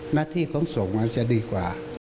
หน้าที่ของส่งอาจจะดีกว่า